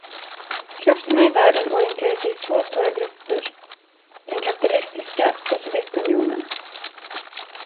Krafterna i världen orienterar sig i två stora grupper, den kapitalistiska och Sovjetunionen.